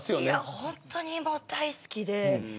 本当に大好きで。